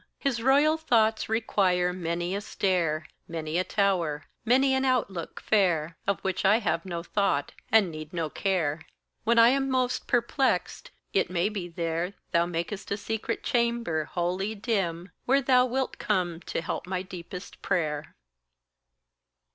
His royal thoughts require many a stair, Many a tower, many an outlook fair, Of which I have no thought, and need no care. Where I am most perplexed, it may be there Thou mak'st a secret chamber, holy dim, Where thou wilt come to help my deepest prayer.